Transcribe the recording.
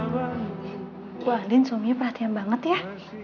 bu andien suaminya perhatian banget ya